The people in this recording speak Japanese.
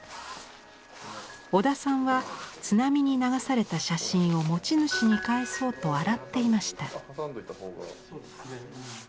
小田さんは津波に流された写真を持ち主に返そうと洗っていました。